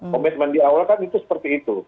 komitmen diawal kan itu seperti itu